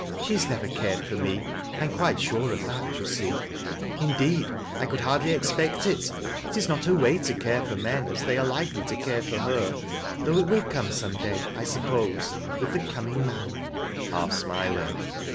She has never cared for me. I am quite sure of that, you eeq. Indeed, I could hardly expect it. It is not her way to care for men as they are likely to care for her, though it will come some day, I Buppose — with the coming man," half smiling.